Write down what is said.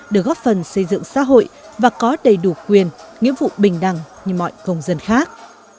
được góp phần xây dựng xã hội và có đầy đủ quyền nghĩa vụ bình đẳng như mọi công dân khác